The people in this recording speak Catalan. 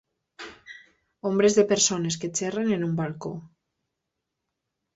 Ombres de persones que xerren en un balcó.